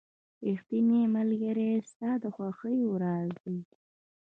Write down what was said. • ریښتینی ملګری ستا د خوښیو راز دی.